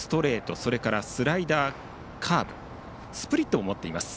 それからスライダー、カーブスプリットも持っています。